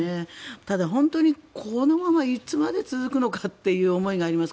ただ、本当にこのままいつまで続くのかという思いがあります。